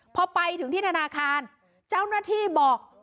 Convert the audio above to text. พอไปถึงที่ธนาคารเจ้าหน้าที่บอก